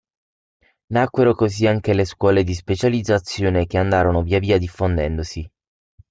Nacquero così anche le scuole di specializzazione che andarono via via diffondendosi.